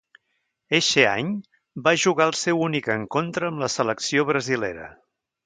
Eixe any va jugar el seu únic encontre amb la selecció brasilera.